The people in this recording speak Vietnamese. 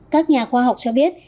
các nhà khoa học cho biết